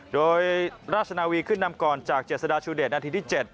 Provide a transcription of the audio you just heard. โดยราชนาวีขึ้นนำก่อนจากเจษฎาชูเดชนาทีที่๗